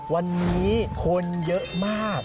วันนี้คนเยอะมาก